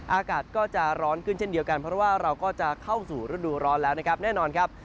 อากาศก็จะร้อนขึ้นเช่นเดียวกันเพราะว่าเราก็จะเข้าสู่ฤดูร้อนแล้วนะครับแน่นอนครับ